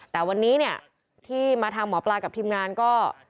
แต่วันนี้เนี่ยที่มาทางหมอปลากับทีมงานก็